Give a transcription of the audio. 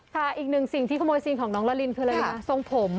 ค่ะอีกหนึ่งสิ่งที่ขโมยซีนของน้องลาลินคืออะไรนะส่งผม